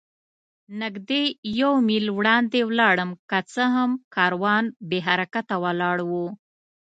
نږدې یو میل وړاندې ولاړم، که څه هم کاروان بې حرکته ولاړ و.